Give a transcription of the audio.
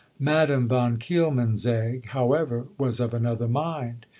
Madame von Kielmansegg, however, was of another mind.